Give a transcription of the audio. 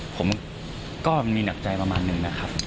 ผมก็มีหนักใจประมาณหนึ่งนะครับ